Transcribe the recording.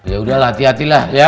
ya udahlah hati hatilah ya